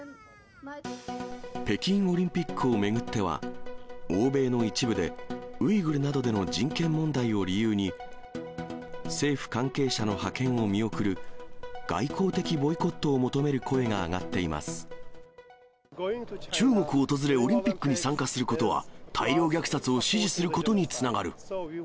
北京オリンピックを巡っては、欧米の一部で、ウイグルなどでの人権問題を理由に、政府関係者の派遣を見送る外交的ボイコットを求める声が上がって中国を訪れ、オリンピックに参加することは、大量虐殺を支持することにつながる。